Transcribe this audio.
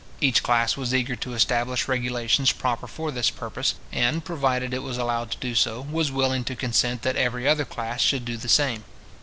Each class was eager to establish regulations proper for this purpose, and, provided it was allowed to do so, was willing to consent that every other class should do the same.